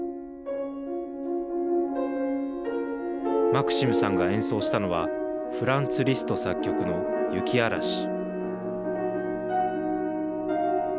マクシムさんが演奏したのはフランツ・リスト作曲の雪あらし。